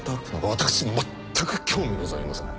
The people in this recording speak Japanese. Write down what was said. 私にまったく興味ございません。